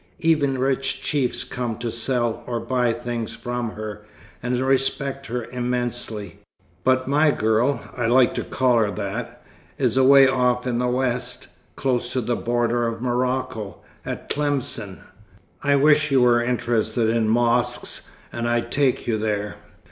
Even rich chiefs come to sell, or buy things from her, and respect her immensely. But my girl I like to call her that is away off in the west, close to the border of Morocco, at Tlemcen. I wish you were interested in mosques, and I'd take you there.